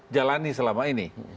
jalani selama ini